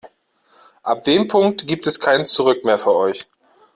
Ab dem Punkt gibt es kein Zurück mehr für euch.